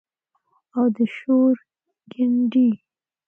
او د شور ګنډي